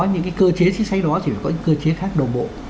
những cái cơ chế chính sách đó thì phải có những cơ chế khác đồng bộ